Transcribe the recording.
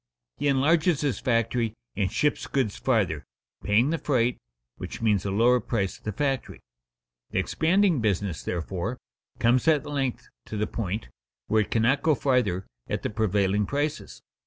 He enlarges his factory and ships goods farther, paying the freight, which means a lower price at the factory. The expanding business, therefore, comes at length to the point where it cannot go farther at the prevailing prices.